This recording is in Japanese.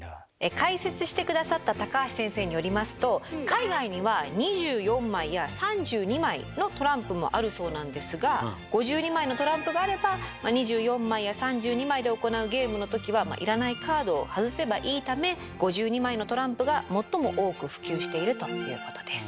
解説して下さった高橋先生によりますと海外には２４枚や３２枚のトランプもあるそうなんですが５２枚のトランプがあれば２４枚や３２枚で行うゲームの時は要らないカードを外せばいいため５２枚のトランプが最も多く普及しているということです。